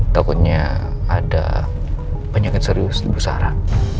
takutnya ada penyakit serius di bu sarah